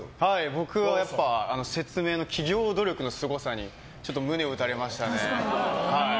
説明の企業努力のすごさにちょっと胸を打たれました。